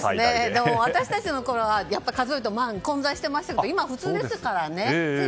でも私たちのころは数え方は混在してましたけど今は普通ですからね。